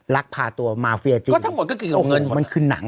ลักพาตัวมาเฟียร์จีนก็ทั้งหมดก็เกี่ยวกับเงินโอ้โหมันคือหนัง